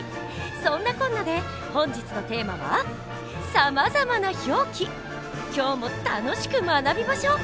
そんなこんなで本日のテーマは今日も楽しく学びましょう！